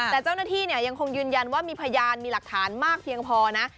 แต่เจ้าหน้าที่ยังคงยืนยันว่ามีพยานมีหลักฐานมากเพียงพอนะ